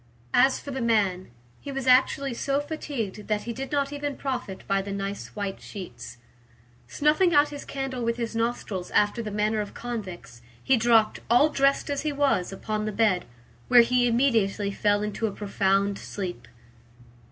As for the man, he was actually so fatigued that he did not even profit by the nice white sheets. Snuffing out his candle with his nostrils after the manner of convicts, he dropped, all dressed as he was, upon the bed, where he immediately fell into a profound sleep.